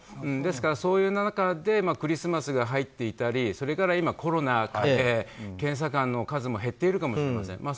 ですから、そういう中でクリスマスが入っていたりそれから今、コロナがあって検査官の数も減っているかもしれません。